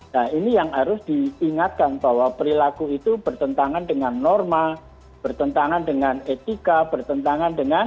nah ini yang harus diingatkan bahwa perilaku itu bertentangan dengan norma bertentangan dengan etika bertentangan dengan